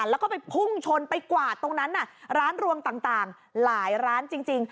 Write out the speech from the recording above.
แล้วก็ไปพุ่งชนไปกวาดตรงนั้นร้านรวงต่างหลายร้านจริง